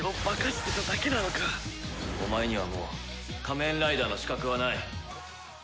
お前にはもう仮面ライダーの資格はない。